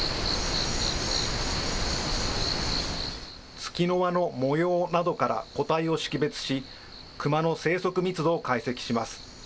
月の輪の模様などから個体を識別し、クマの生息密度を解析します。